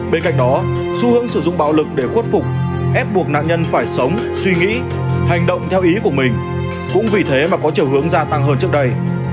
bên cạnh đó xu hướng sử dụng bạo lực để khuất phục ép buộc nạn nhân phải sống suy nghĩ hành động theo ý của mình cũng vì thế mà có chiều hướng gia tăng hơn trước đây